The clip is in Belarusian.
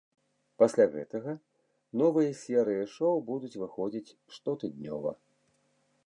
Пасля гэтага новыя серыі шоу будуць выходзіць штотыднёва.